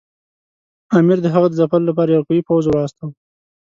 امیر د هغه د ځپلو لپاره یو قوي پوځ ورواستاوه.